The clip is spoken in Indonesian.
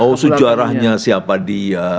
oh sejarahnya siapa dia